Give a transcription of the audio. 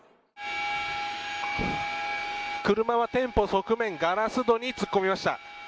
車は店舗側面ガラス戸に突っ込みました。